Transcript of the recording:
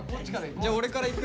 じゃあ俺からいく？